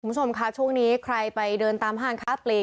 คุณผู้ชมค่ะช่วงนี้ใครไปเดินตามห้างค้าปลี